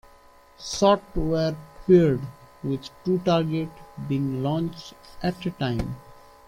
Shots were paired, with two targets being launched at a time.